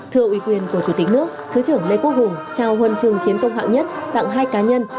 thưa uy quyền của chủ tịch nước thứ trưởng lê quốc hùng trao huân trường chiến công hạng nhất tặng hai cá nhân